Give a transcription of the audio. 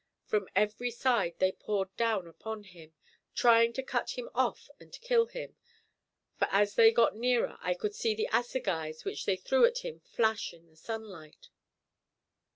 From every side they poured down upon him, trying to cut him off and kill him, for as they got nearer I could see the assegais which they threw at him flash in the sunlight.